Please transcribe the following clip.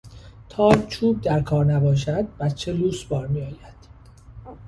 تا چوب در کار نباشد بچه لوس بار میآید